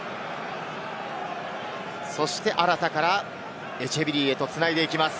そしてアラタからエチェベリーへと繋いでいきます。